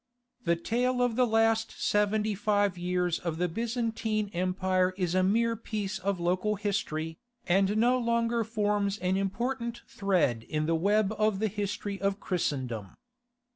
(1370 1453.) The tale of the last seventy five years of the Byzantine Empire is a mere piece of local history, and no longer forms an important thread in the web of the history of Christendom.